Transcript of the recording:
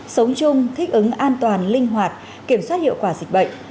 sống chung thích ứng an toàn linh hoạt kiểm soát hiệu quả dịch bệnh